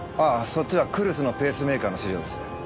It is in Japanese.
そっちは来栖のペースメーカーの資料です。